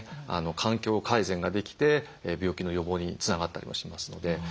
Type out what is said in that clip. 環境改善ができて病気の予防につながったりもしますので。